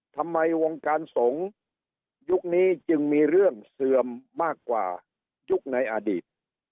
ทำไมวงการสงฆ์ยุคนี้จึงมีเรื่องเสื่อมมากกว่ายุคในอดีต